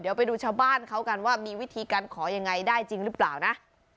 เดี๋ยวไปดูชาวบ้านเขากันว่ามีวิธีการขอยังไงได้จริงหรือเปล่านะ